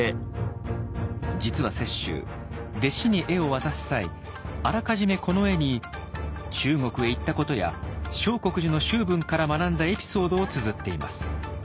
実は雪舟弟子に絵を渡す際あらかじめこの絵に中国へ行ったことや相国寺の周文から学んだエピソードをつづっています。